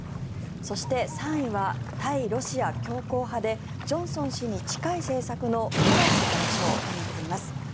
そして、３位は対ロシア強硬派でジョンソン氏に近い政策のトラス外相となっています。